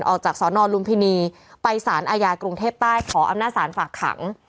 ออกจากสนลุมพินีไปสารอาญากรุงเทพใต้ขออำนาจศาลฝากขัง